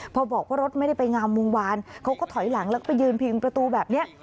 พอบอกว่ารถไม่ได้ไปงามวงวานเขาก็ถอยหลังแล้วก็ไปยืนพิงประตูแบบนี้